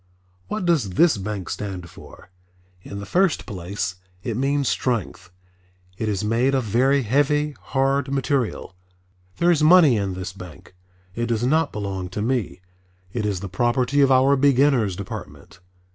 What does this bank stand for? In the first place it means Strength. It is made of very heavy, hard material. There is money in this bank. It does not belong to me, it is the property of our Beginners' Department.